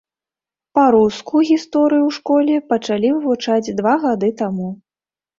Па-руску гісторыю ў школе пачалі вывучаць два гады таму.